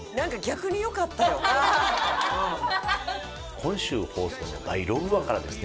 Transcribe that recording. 今週放送の第６話からですね